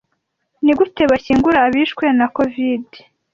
Nigute bashyingura abishwe na COVID?